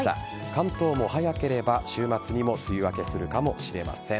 関東も早ければ週末にも梅雨明けするかもしれません。